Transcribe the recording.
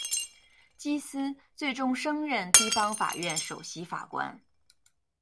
基思最终升任地方法院首席法官。